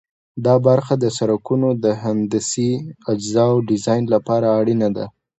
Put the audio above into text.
دا برخه د سرکونو د هندسي اجزاوو د ډیزاین لپاره اړینه ده